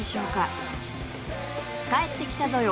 『帰ってきたぞよ！